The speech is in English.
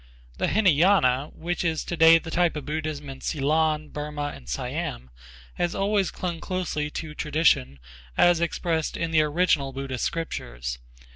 The Hinayana, which is today the type of Buddhism in Ceylon, Burma and Siam, has always clung closely to tradition as expressed in the original Buddhist scriptures.